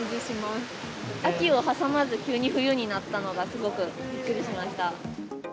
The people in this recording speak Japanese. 秋を挟まず、急に冬になったのが、すごくびっくりしました。